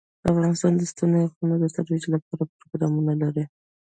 افغانستان د ستوني غرونه د ترویج لپاره پروګرامونه لري.